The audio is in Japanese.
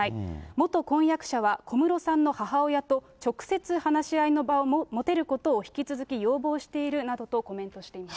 元婚約者は小室さんの母親と直接話し合いの場を持てることを引き続き要望しているなどとコメントしています。